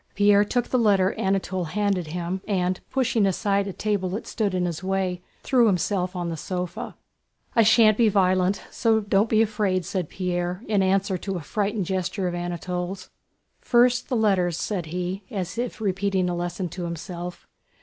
Pierre took the letter Anatole handed him and, pushing aside a table that stood in his way, threw himself on the sofa. "I shan't be violent, don't be afraid!" said Pierre in answer to a frightened gesture of Anatole's. "First, the letters," said he, as if repeating a lesson to himself.